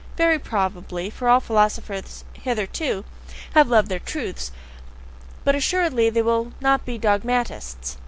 Very probably, for all philosophers hitherto have loved their truths. But assuredly they will not be dogmatists.